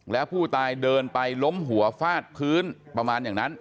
แล้วผู้ตายเดินไปล้มหัวฟาดพื้นประมาณอย่างนั้น